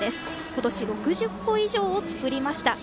今年６０個以上を作りました。